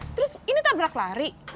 terus ini tabrak lari